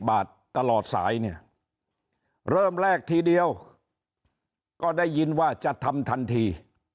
บาทตลอดสายเนี่ยเริ่มแรกทีเดียวก็ได้ยินว่าจะทำทันที